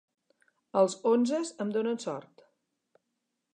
Els onzes em donen sort.